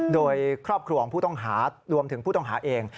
โดยครอบครัวของผู้ต้องหารวมถึงผู้ต้องหาเอง